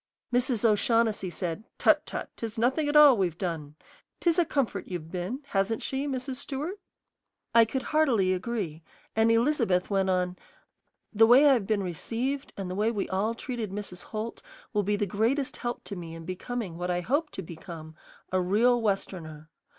Mrs. O'Shaughnessy said, "Tut, tut, 'tis nothing at all we've done. 'Tis a comfort you've been, hasn't she, Mrs. Stewart?" I could heartily agree; and Elizabeth went on, "The way I have been received and the way we all treated Mrs. Holt will be the greatest help to me in becoming what I hope to become, a real Westerner.